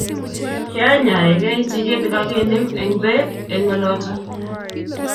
Kiayanyegei injiret ne kakenem eng' pek eng ' oloto.